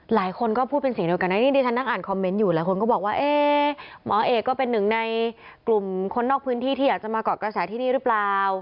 หลายคนก็พูดเป็นเสียงเดียวกันนะนี่ดิฉันนั่งอ่านคอมเมนต์อยู่หลายคนก็บอกว่าเอ๊ะหมอเอกก็เป็นหนึ่งในกลุ่มคนนอกพื้นที่ที่อยากจะมาเกาะกระแสที่นี่หรือเปล่า